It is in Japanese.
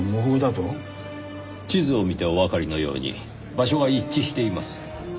地図を見ておわかりのように場所が一致しています。